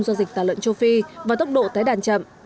do dịch tả lợn châu phi và tốc độ tái đàn chậm